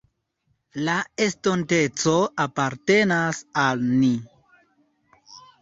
La estonteco apartenas al ni.